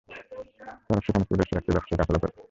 তারা সেখানে কুরাইশের একটি ব্যবসায়ী কাফেলা পেল।